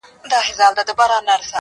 په دوزخي غېږ کي به یوار جانان و نه نیسم.